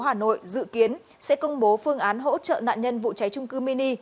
tổ quốc tp hà nội dự kiến sẽ công bố phương án hỗ trợ nạn nhân vụ cháy trung cư mini